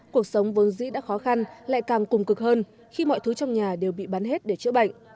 cuộc sống vốn dĩ đã khó khăn lại càng cùng cực hơn khi mọi thứ trong nhà đều bị bắn hết để chữa bệnh